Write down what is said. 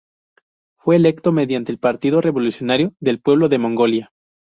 Fue electo mediante el Partido Revolucionario del Pueblo de Mongolia.